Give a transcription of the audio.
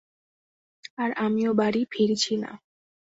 আর আমিও বাড়ি ফিরছি না।